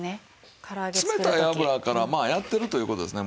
冷たい油からまあやってるという事ですね。